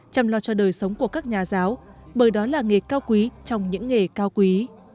chăm lo cho đời sống của các nhà giáo bởi đó là nghề cao quý trong những nghề cao quý